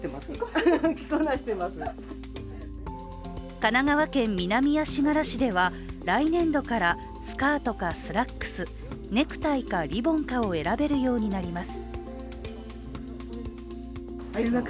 神奈川県南足柄市では来年度からスカートかスラックス、ネクタイかリボンかを選べるようになります。